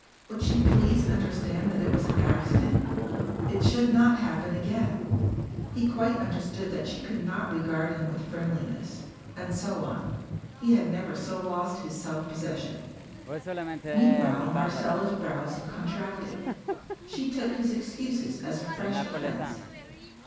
Would she please understand that it was an accident? It should not happen again. He quite understood that she could not regard him with friendliness. And so on. He had never so lost his self possession. Meanwhile Marcella's brows contracted. She took his excuses as a fresh offence.